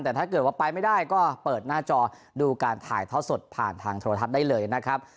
แต่ถ้าเกิดว่าไปไม่ได้ก็เปิดหน้าจอดูการถ่ายทอดสดผ่านทางโทรทัศน์ได้เลยนะครับ